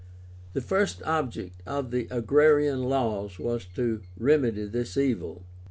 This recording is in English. The first object of the AGRARIAN LAWS was to remedy this evil.